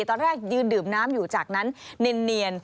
ตอนแรกยืนดื่มน้ำอยู่จากนั้นเนียน